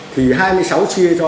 thì hai mươi sáu chia cho